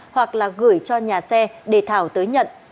hoặc là gửi cho nhà xe để thảo tới nhận